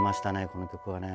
この曲はね。